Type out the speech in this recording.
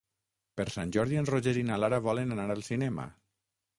Per Sant Jordi en Roger i na Lara volen anar al cinema.